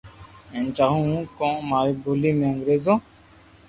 ھين چاھون ھون ڪو ماري ٻولي بو انگريزو